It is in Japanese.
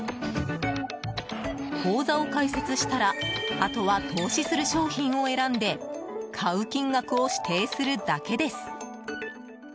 口座を開設したらあとは投資する商品を選んで買う金額を指定するだけです。